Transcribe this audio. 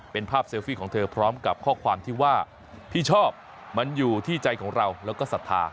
เป็นภาพเซลฟี่ของเธอพร้อมกับข้อความที่ว่าพี่ชอบมันอยู่ที่ใจของเราแล้วก็ศรัทธา